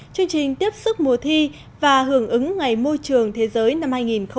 chương trình tiếp xúc mùa thi và hưởng ứng ngày môi trường thế giới năm hai nghìn một mươi chín